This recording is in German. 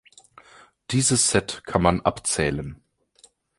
Dieses Set kann man abzählen.